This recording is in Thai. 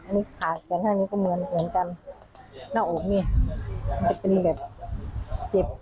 นี่ขาก่อนหน้านี้ก็เหมือนเหมือนกันหน้าอกนี่จะเป็นแบบเจ็บ